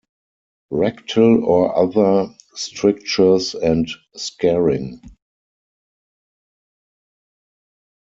Rectal or other strictures and scarring.